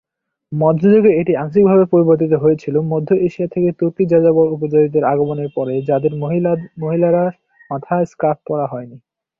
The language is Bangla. মধ্যযুগে এটি আংশিকভাবে পরিবর্তিত হয়েছিল মধ্য এশিয়া থেকে তুর্কি যাযাবর উপজাতিদের আগমনের পরে, যাদের মহিলারা মাথা স্কার্ফ পরা হয়নি।